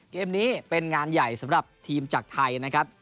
เกมนี้เป็นงานใหญ่สำหรับทีมจากไทยนะครับ